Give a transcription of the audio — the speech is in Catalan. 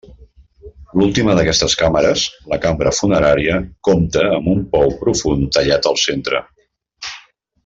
L'última d'aquestes càmeres, la cambra funerària, compta amb un pou profund tallat al centre.